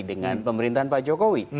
dengan pemerintahan pak jokowi